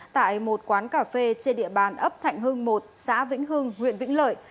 tại một quán cà phê trên địa bàn ấp thạnh hưng một xã vĩnh hưng huyện vĩnh lợi